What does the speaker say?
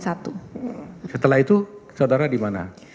setelah itu saudara dimana